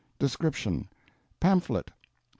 DESCRIPTION: Pamphlet, pp.